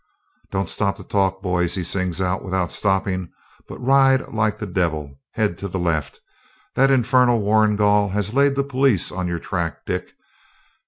'Don't stop to talk, boys,' he sings out, without stopping, 'but ride like the devil. Head to the left. That infernal Warrigal has laid the police on your track, Dick.